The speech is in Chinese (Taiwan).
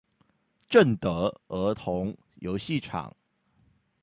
正德兒童遊戲場